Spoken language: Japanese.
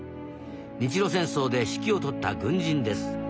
日露戦争で指揮を執った軍人です。